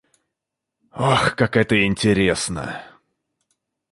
Ох, как это интересно!